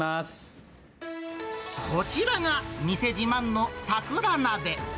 こちらが、店自慢の桜なべ。